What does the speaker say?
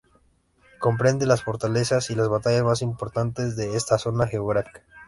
Comprende las fortalezas y las batallas más importantes de esta zona geográfica.